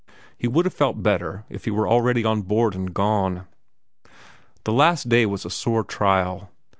He would have felt better if he were already on board and gone. The last day was a sore trial.